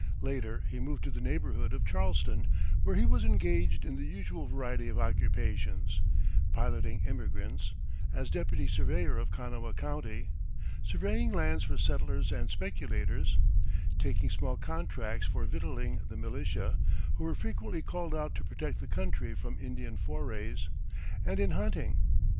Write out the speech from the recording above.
Later, he moved to the neighborhood of Charleston, where he was engaged in the usual variety of occupations piloting immigrants; as deputy surveyor of Kanawha County, surveying lands for settlers and speculators; taking small contracts for victualing the militia, who were frequently called out to protect the country from Indian forays; and in hunting.